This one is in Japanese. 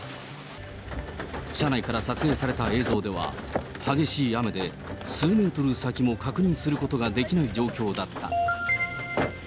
車内から撮影された映像では、激しい雨で数メートル先も確認することができない状況だった。